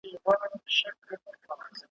دوی به م د خزان د پاڼو رو رو دوړیدل؟